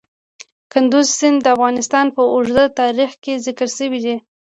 کندز سیند د افغانستان په اوږده تاریخ کې ذکر شوی دی.